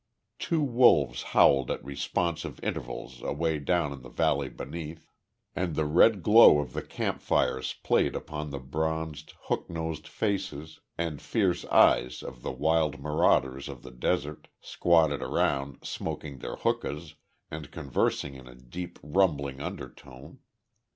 Two wolves howled at responsive intervals away down in the valley beneath, and the red glow of the camp fires played upon the bronzed, hook nosed faces, and fierce eyes, of the wild marauders of the desert, squatted around, smoking their hookahs, and conversing in a deep rumbling undertone.